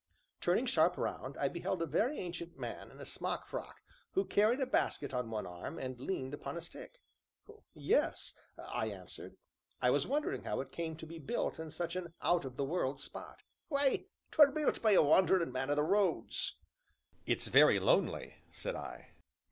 Turning sharp round, I beheld a very ancient man in a smock frock, who carried a basket on one arm, and leaned upon a stick. "Yes," I answered; "I was wondering how it came to be built in such an out of the world spot." "Why, 't were built by a wanderin' man o' the roads." "It's very lonely!" said I.